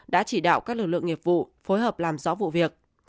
đã chỉ đạo các lực lượng nghiệp vụ phối hợp làm rõ vụ việc